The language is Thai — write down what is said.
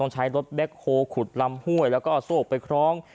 ใช้รถแบ็คโฮลขุดลำห้วยแล้วก็เอาโซ่ไปคล้อง